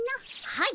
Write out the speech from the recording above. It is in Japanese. はい。